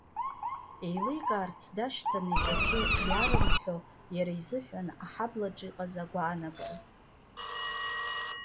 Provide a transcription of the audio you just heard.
Еиликаарц дашьҭан иҿаҿы иарымҳәо, иара изыҳәан аҳаблаҿ иҟаз агәаанагара.